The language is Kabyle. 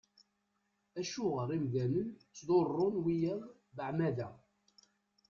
Acuɣer imdanen ttḍurrun wiyaḍ beεmada?